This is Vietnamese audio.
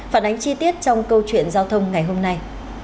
phản ánh chi tiết trong câu chuyện giao thông ngày hôm nay